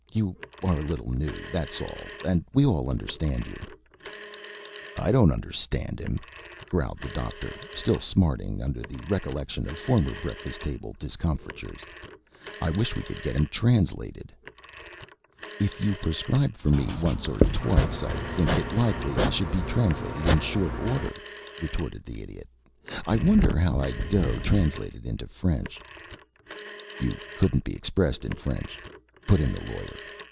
You are a little new, that's all, and we all understand you." "I don't understand him," growled the Doctor, still smarting under the recollection of former breakfast table discomfitures. "I wish we could get him translated." "If you prescribed for me once or twice I think it likely I should be translated in short order," retorted the Idiot. "I wonder how I'd go translated into French?" "You couldn't be expressed in French," put in the Lawyer.